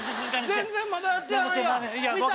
全然まだやってないやん！